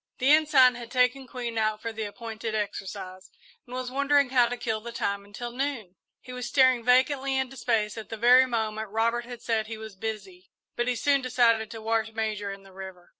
The Ensign had taken Queen out for the appointed exercise and was wondering how to kill the time until noon. He was staring vacantly into space at the very moment Robert had said he was "busy," but he soon decided to wash Major in the river.